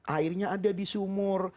airnya ada di sumur